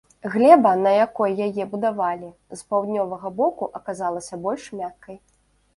Глеба, на якой яе будавалі, з паўднёвага боку аказалася больш мяккай.